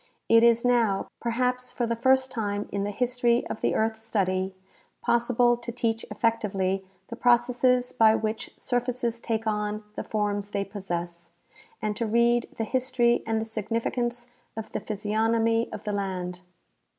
It is now, per haps for the first time in the history of the earth study, possible to teach effectively the processes by which surfaces take on the forms they possess, and to read the history and the significance of the physiognomy of the land.